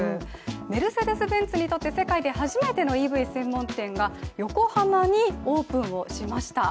メルセデス・ベンツにとって世界で初めてのＥＶ専門店が横浜にオープンをしました。